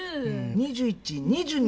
２１２２。